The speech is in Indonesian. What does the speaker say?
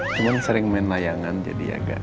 cuman sering main layangan jadi agak